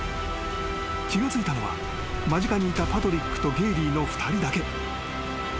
［気が付いたのは間近にいたパトリックとゲーリーの２人だけ］